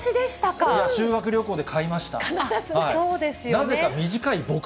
修学旅行で買いました。